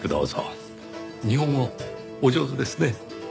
日本語お上手ですね。